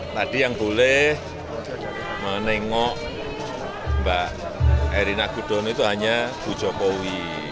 tadi yang boleh menengok mbak erina gudono itu hanya bu jokowi